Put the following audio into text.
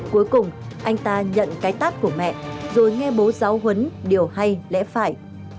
cuối cùng anh ta nhận cái tát của mẹ rồi nghe bố giáo huấn điều hay lẽ phải